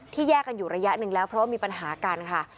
แยกกันอยู่ระยะหนึ่งแล้วเพราะว่ามีปัญหากันค่ะ